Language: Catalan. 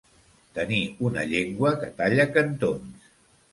Tenir una llengua que talla cantons.